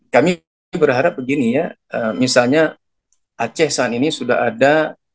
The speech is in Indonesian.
kami berharap begini ya misalnya aceh saat ini sudah ada